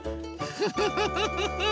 フフフフ。